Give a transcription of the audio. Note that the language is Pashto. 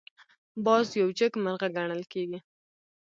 باز یو جګمرغه ګڼل کېږي